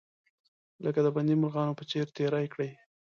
لکه د بندي مرغانو په څیر تیرې کړې.